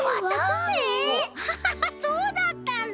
ハハハそうだったんだ！